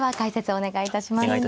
お願いいたします。